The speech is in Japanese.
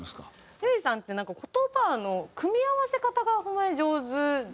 ひゅーいさんってなんか言葉の組み合わせ方がホンマに上手で。